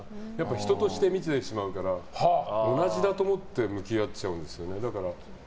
人として見てしまうから同じだと思って向き合っちゃうんですもんね。